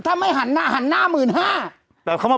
กระดาษที่ยัดในท้าวนั่นจะจับดูใช่ไหมถุงเท้าหรือเปล่า